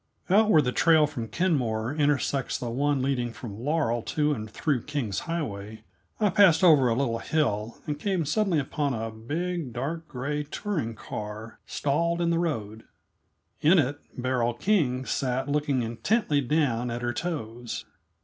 Out where the trail from Kenmore intersects the one leading from Laurel to and through King's Highway, I passed over a little hill and came suddenly upon a big, dark gray touring car stalled in the road. In it Beryl King sat looking intently down at her toes.